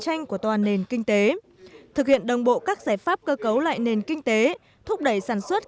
tranh của toàn nền kinh tế thực hiện đồng bộ các giải pháp cơ cấu lại nền kinh tế thúc đẩy sản xuất